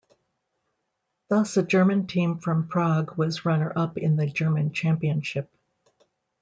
Thus, a German team from Prague was runner-up in the German championship.